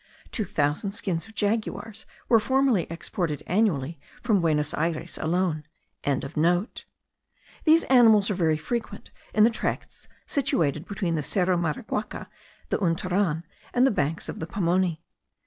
Two thousand skins of jaguars were formerly exported annually from Buenos Ayres alone.) These animals are very frequent in the tracts situated between the Cerro Maraguaca, the Unturan, and the banks of the Pamoni.